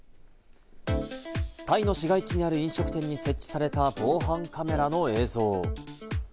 タイの市街地にある飲食店に設置された防犯カメラの映像。